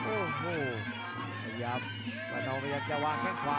โอ้โหพยายามปานทองมันยังจะวางแข้งขวา